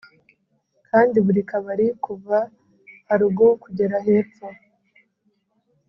kanda buri kabari kuva harugu kugera hepfo